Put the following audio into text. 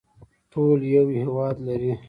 ټول یو هیواد لري